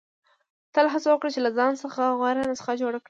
• تل هڅه وکړه چې له ځان څخه غوره نسخه جوړه کړې.